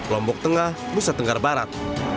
lombok tengah musa tenggar barat